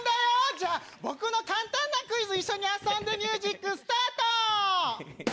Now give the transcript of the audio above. じゃあ僕の簡単なクイズ一緒に遊んでミュージックスタート！